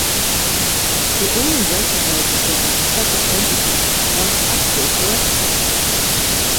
He only recognizes him as a separate entity once Astro corrects him.